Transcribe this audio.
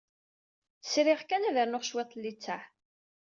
Sriɣ kan ad rnuɣ cwiṭ n litteɛ.